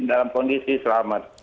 dalam kondisi selamat